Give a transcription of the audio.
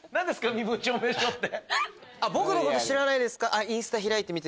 身分証明書って。